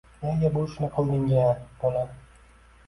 Nega bu ishni qilding-a, bolam?